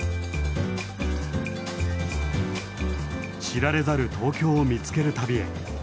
知られざる東京を見つける旅へ。